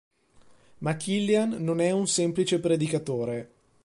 Ma Killian non è un semplice predicatore.